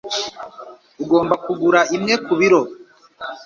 Ugomba kugura imwe ku biro.